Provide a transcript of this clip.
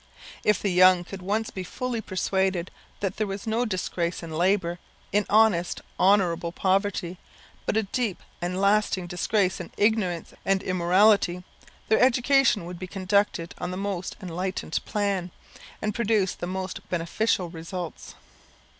If the young could once be fully persuaded that there was no disgrace in labour, in honest, honourable poverty, but a deep and lasting disgrace in ignorance and immorality, their education would be conducted on the most enlightened plan, and produce the most beneficial results.